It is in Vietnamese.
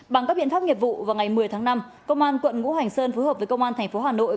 bằng các biện pháp nghiệp vụ vào ngày một mươi tháng năm công an quận ngũ hành sơn phối hợp với công an thành phố hà nội